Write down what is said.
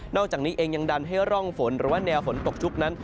อกจากนี้เองยังดันให้ร่องฝนหรือว่าแนวฝนตกชุกนั้น